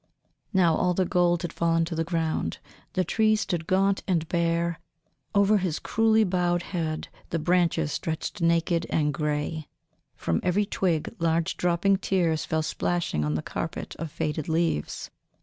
Now all the gold had fallen to the ground, the trees stood gaunt and bare. Over his cruelly bowed head the branches stretched naked and grey; from every twig large dropping tears fell splashing on the carpet of faded leaves.